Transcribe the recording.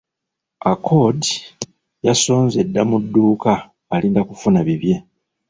Accord yasonze dda mu dduuka alinda kufuna bibye.